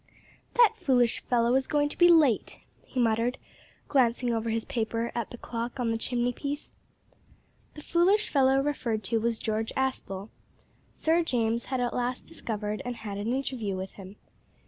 "That foolish fellow is going to be late," he muttered, glancing over his paper at the clock on the chimney piece. The foolish fellow referred to was George Aspel. Sir James had at last discovered and had an interview with him.